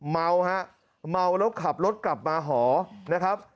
เมาฮะเมาแล้วขับรถกลับมาหอนะครับ